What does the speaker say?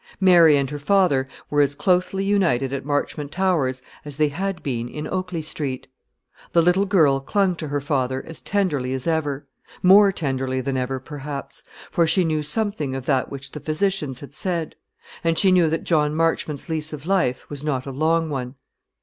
Mary and her father were as closely united at Marchmont Towers as they had been in Oakley Street. The little girl clung to her father as tenderly as ever more tenderly than ever perhaps; for she knew something of that which the physicians had said, and she knew that John Marchmont's lease of life was not a long one.